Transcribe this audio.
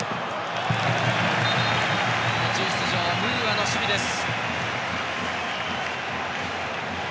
途中出場、ムーアの守備です。